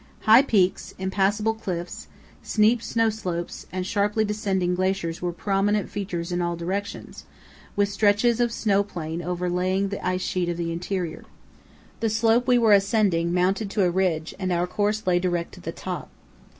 High peaks, impassable cliffs, steep snow slopes, and sharply descending glaciers were prominent features in all directions, with stretches of snow plain over laying the ice sheet of the interior. The slope we were ascending mounted to a ridge and our course lay direct to the top.